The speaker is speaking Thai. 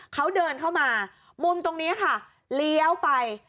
เขาเดินเข้ามามุมตรงนี้ค่ะเลี้ยวไป